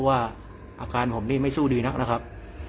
ว่าอาการผมนี่ไม่สู้ดีนักนะครับ